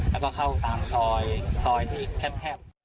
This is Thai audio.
แล้วก็เข้าตามซอยที่แคบ